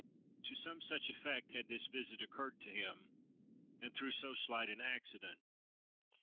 To some such effect had this visit occurred to him, and through so slight an accident.